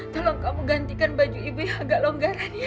tolong kamu gantikan baju ibu yang agak longgaran ya